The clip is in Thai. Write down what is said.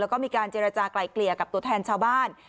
แล้วก็มีการเจรจากลายเกลี่ยกับตัวแทนชาวบ้าน